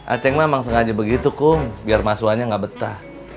aceng mah emang sengaja begitu kum biar ma suhanya gak betah